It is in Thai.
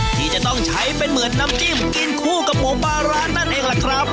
ที่จะต้องใช้เป็นเหมือนน้ำจิ้มกินคู่กับหมูปลาร้านั่นเองล่ะครับ